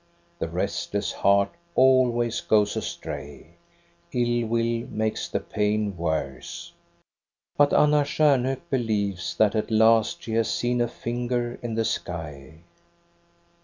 The restless heart always goes astray. Ill will makes the pain worse. But Anna Stjarnhok believes that at last she has seen a finger in the sky.